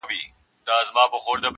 • که په ځان هرڅومره غټ وو خو غویی وو -